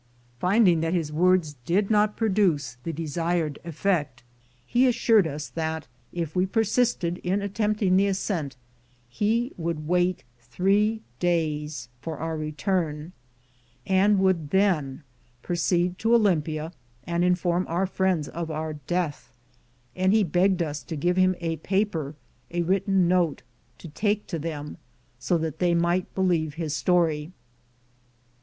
Finding that his words did not produce the desired effect, he assured us that, if we persisted in attempting the ascent, he would wait three days for our return, and would then proceed to Olympia and inform our friends of our death ; and he begged us to give him a paper (a written note) to take to them, so that they might believe his story.